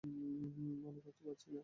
মনে করতে পারছি না।